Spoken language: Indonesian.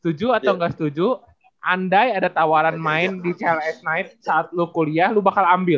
setuju atau enggak setuju andai ada tawaran main di chals night saat lo kuliah lo bakal ambil